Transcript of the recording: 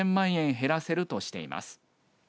減らせるとしています。